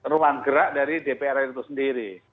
ruang gerak dari dpr itu sendiri